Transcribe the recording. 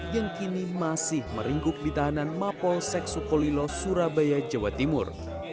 yang kini masih meringkuk di tahanan mapolsek sukolilo surabaya jawa timur